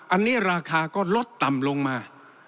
อันนี้ราคาก็ลดต่ำลงมา